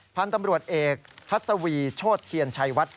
พันธุ์ตำรวจเอกพัศวีโชธเทียนชัยวัด